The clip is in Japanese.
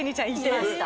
いました